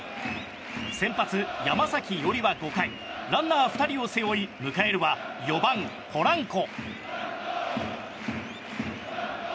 先発、山崎伊織は５回ランナー２人を背負い迎えるは４番、ポランコ。